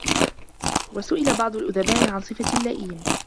وَسُئِلَ بَعْضُ الْأُدَبَاءِ عَنْ صِفَةِ اللَّئِيمِ